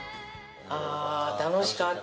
あ楽しかった。